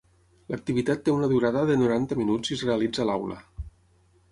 L'activitat té una durada de noranta minuts i es realitza a l'aula.